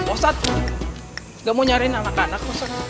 ustadz gak mau nyariin anak anak